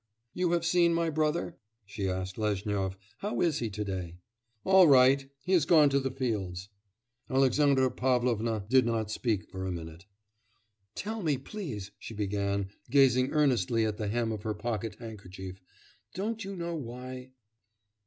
'You have seen my brother?' she asked Lezhnyov. 'How is he to day?' 'All right, he has gone to the fields.' Alexandra Favlovna did not speak for a minute. 'Tell me, please,' she began, gazing earnestly at the hem of her pocket handkerchief, 'don't you know why...